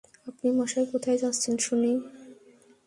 আপনি মশাই কোথায় যাচ্ছেন শুনি?